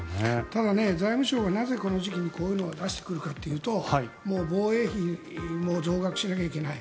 ただ財務省がなぜこの時期にこういうのを出してくるかというともう防衛費も増額しなければいけない